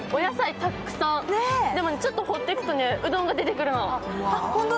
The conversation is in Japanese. でもちょっと掘っていくと、うどんが出てくるの。